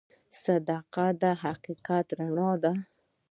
صداقت د حقیقت رڼا ده.